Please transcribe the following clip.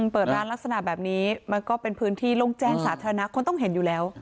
เปิดร้านลักษณะแบบนี้มันก็เป็นพื้นที่โล่งแจ้งสาธารณะคนต้องเห็นอยู่แล้ว